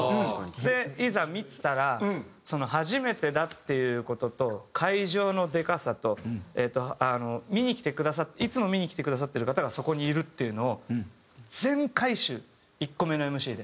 でいざ見たら初めてだっていう事と会場のでかさとえっと見に来てくださっていつも見に来てくださってる方がそこにいるっていうのを全回収１個目のＭＣで。